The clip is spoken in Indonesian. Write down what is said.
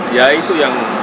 ya itu yang